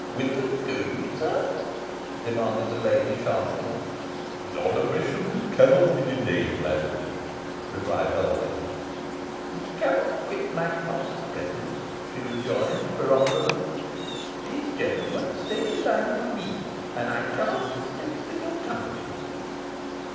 "Whither go you, sir?" demanded the lady, sharply. "On a mission which cannot be delayed, madam," replied Holden. "You cannot quit my house at present," she rejoined, peremptorily. "These gentlemen stay to dine with me, and I cannot dispense with your company."